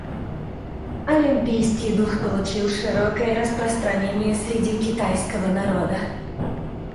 Олимпийский дух получил широкое распространение среди китайского народа.